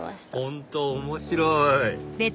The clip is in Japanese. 本当面白い！